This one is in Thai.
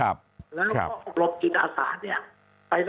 และอบรมกิจอาศาที่ศาสตร์